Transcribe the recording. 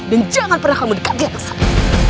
dan jangan pernah mendekati ada saya